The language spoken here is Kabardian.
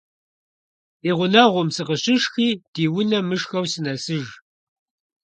Ди гъунэгъум сыкъыщышхи ди унэ мышхэу сынэсыж.